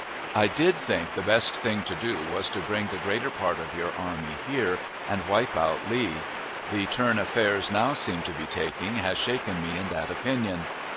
I did think the best thing to do was to bring the greater part of your army here, and wipe out Lee. The turn affairs now seem to be taking has shaken me in that opinion.